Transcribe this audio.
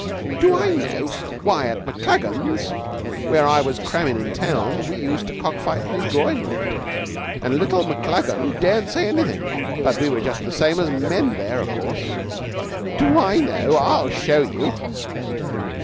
"Do I know? Why, at Maclagan's, where I was crammin' in town, we used to cock fight in his drawing room, and little Maclagan daren't say anything. But we were just the same as men there, of course. Do I know? I'll show you."